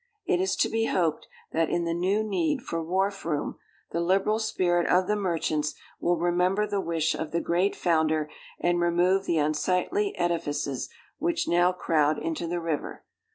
It is to be hoped that, in the new need for wharf room, the liberal spirit of the merchants will remember the wish of the great founder, and remove the unsightly edifices which now crowd into the river.